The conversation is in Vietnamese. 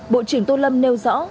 bộ trưởng tôn lâm nêu rõ